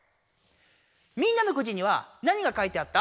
みんなのくじには何が書いてあった？